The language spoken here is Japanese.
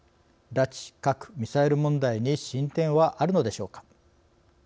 拉致・核・ミサイル問題に進展はあるのでしょうか？